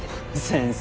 先生